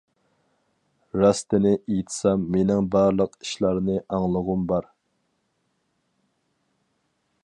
راستىنى ئېيتسام، مېنىڭ بارلىق ئىشلارنى ئاڭلىغۇم بار.